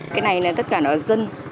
cái này là tất cả nó dân